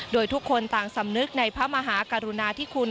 โดยทุกคนต่างสำนึกในพระมหากรุณาธิคุณ